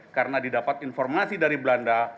karena didapat informasi dari belanda